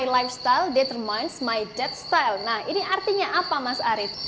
nah ini artinya apa mas arief